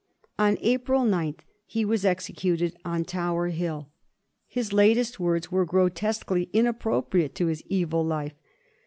On April 9th he was exe cuted on Tower Hill. His latest words were grotesquely inappropriate to his evil life.